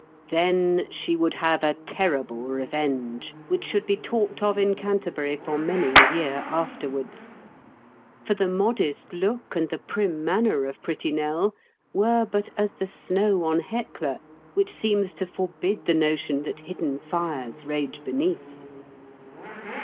Then she would have a terrible revenge, which should be talked of in Canterbury for many a year afterwards ; for the modest look and the prim manner of pretty Nell were but as the snow on Hecla, which seems to forbid the notion that hidden fires rage beneath.